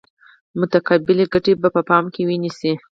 متقابلې ګټې به په پام کې ونیسي.